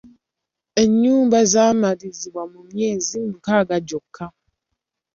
Ennyumba zaamalirizibwa mu myezi mukaaga gyokka.